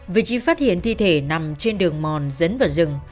vị trí phát hiện thi thể nằm trên đường mòn dấn vào rừng